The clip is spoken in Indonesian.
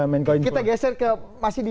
menkom info kita geser ke masih di